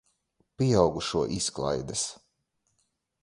Pieaugušo izklaides.